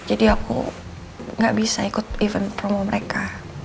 jadi aku gak bisa ikut event promo mereka